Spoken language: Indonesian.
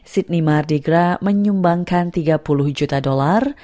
sydney mardi gras menyumbangkan tiga puluh juta dolar